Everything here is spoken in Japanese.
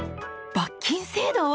罰金制度！